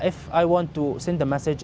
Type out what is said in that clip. jika saya ingin mengirim pesan